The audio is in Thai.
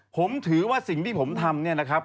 ผมถือว่าสิ่งที่ผมทำเนี่ยนะครับ